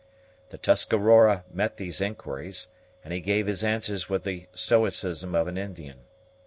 The Tuscarora met these inquiries, and he gave his answers with the stoicism of an Indian.